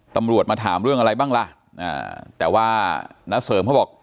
ตำรวจมาถามเรื่องอะไรบ้างล่ะแต่ว่าณเสริมเขาบอก